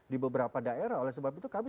di beberapa daerah oleh sebab itu kami